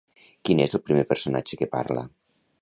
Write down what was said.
Quin és el primer personatge que parla?